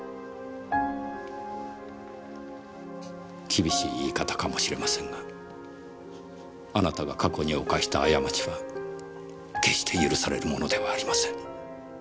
厳しい言い方かもしれませんがあなたが過去に犯した過ちは決して許されるものではありません。